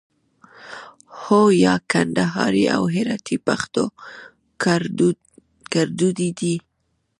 هو 👍 یا 👎 کندهاري او هراتي پښتو کړدود دی